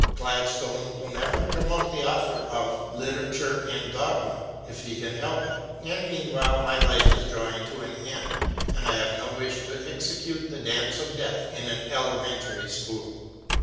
Gladstone will never promote the author of " Literature and Dogma " if he can help it, and meanwhile my life is drawing to an end, and I have no wish to execute the Dance of Death in an elementary school.